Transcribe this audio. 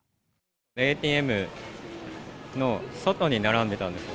ＡＴＭの外に並んでたんですよ。